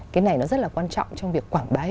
cái này nó rất là quan trọng trong việc quảng bá